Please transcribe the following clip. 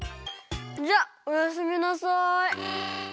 じゃおやすみなさい。